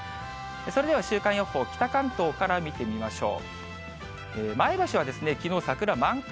それでは週間予報、北関東から見てみましょう。